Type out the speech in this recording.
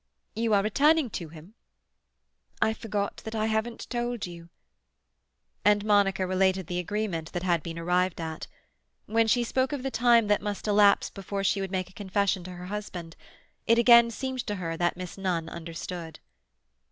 "You are returning to him?" "I forgot that I haven't told you." And Monica related the agreement that had been arrived at. When she spoke of the time that must elapse before she would make a confession to her husband, it again seemed to her that Miss Nunn understood.